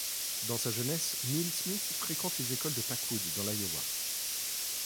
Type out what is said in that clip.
Dans sa jeunesse, Neal Smith fréquente les écoles de Packwood dans l'Iowa.